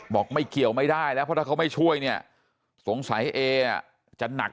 ไม่เกี่ยวไม่ได้แล้วเพราะถ้าเขาไม่ช่วยเนี่ยสงสัยเอจะหนัก